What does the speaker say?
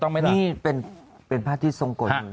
นี่เป็นพระอาทิตย์ทรงกฎ